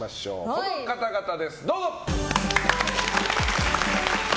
この方々です、どうぞ！